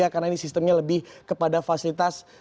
karena ini sistemnya lebih kepada fasilitas